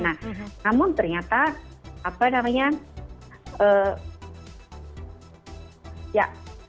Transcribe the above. namun ternyata apa namanya